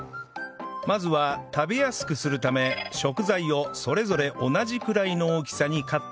まずは食べやすくするため食材をそれぞれ同じくらいの大きさにカットしていきます